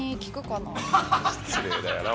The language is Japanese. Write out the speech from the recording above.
失礼だよな。